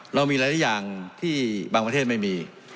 เรามีหลายอย่างที่บางประเทศไม่มี